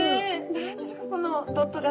何ですかこのドット柄。